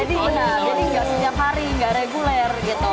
jadi enak jadi gak setiap hari gak regular gitu